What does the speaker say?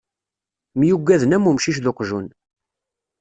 Myuggaden, am umcic d uqjun.